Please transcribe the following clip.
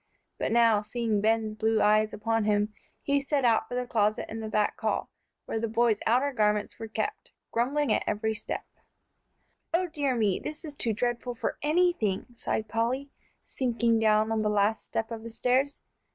But now, seeing Ben's blue eyes upon him, he set out for the closet in the back hall where the boys' outer garments were kept, grumbling at every step. "O dear me! This is too dreadful for anything," sighed Polly, sinking down on the last step of the stairs.